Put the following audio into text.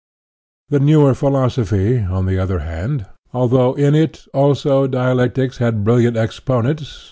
The newer philosophy, on the other hand, although in it also dialectics had brilliant exponents (e.